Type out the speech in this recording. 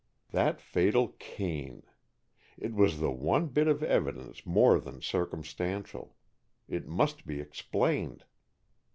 That fatal cane! It was the one bit of evidence more than circumstantial. It must be explained.